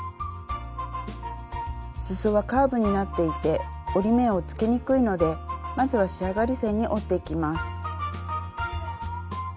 すそはカーブになっていて折り目をつけにくいのでまずは仕上がり線に折っていきます。